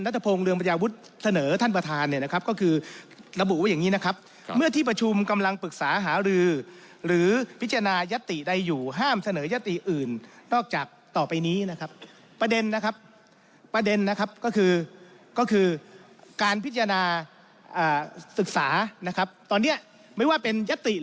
รัฐพงษ์เรืองประยาวุธเสนอท่านประธาน